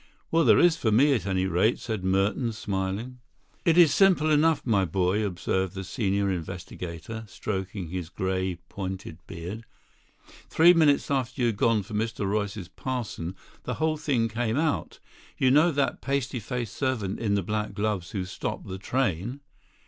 "Well, there is for me, at any rate," said Merton, smiling. "It is simple enough, my boy," observed the senior investigator, stroking his grey, pointed beard. "Three minutes after you'd gone for Mr. Royce's parson the whole thing came out. You know that pasty faced servant in the black gloves who stopped the train?"